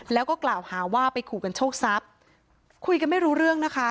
แล้วก็กล่าวหาว่าไปขู่กันโชคทรัพย์คุยกันไม่รู้เรื่องนะคะ